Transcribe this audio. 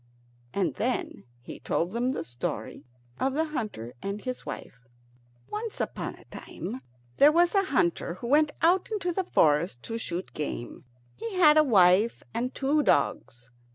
And then he told them the story of the hunter and his wife. Once upon a time there was a hunter who went out into the forest to shoot game. He had a wife and two dogs.